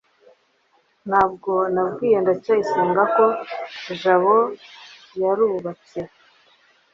ntabwo nabwiye ndacyayisenga ko jabo yarubatse